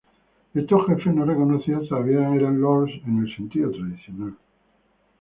Estos jefes no reconocidos todavía eran Lords en el sentido tradicional.